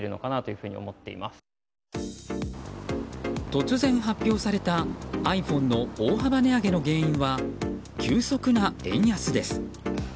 突然発表されたｉＰｈｏｎｅの大幅値上げの原因は急速な円安です。